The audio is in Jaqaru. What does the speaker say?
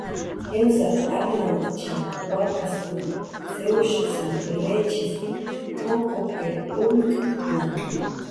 Jiwsaq armantachw wakaskun t'iwrshusan lichis juqupkir umt'ktna